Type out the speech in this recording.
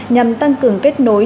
nhằm tăng cường kết nối